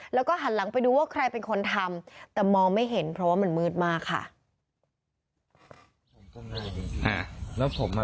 แล้วก็หันหลังไปดูว่าใครเป็นคนทำแต่มองไม่เห็นเพราะว่ามันมืดมากค่ะ